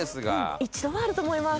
一度はあると思います。